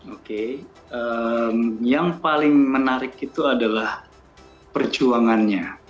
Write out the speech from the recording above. oke yang paling menarik itu adalah perjuangannya